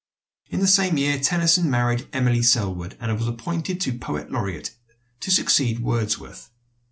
In the same year Tennyson married Emily Sellwood, and was appointed poet laureate to succeed Wordsworth.